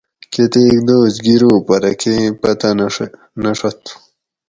کتیک دوس گیرو پرہ کئ پتہ نہ ڛت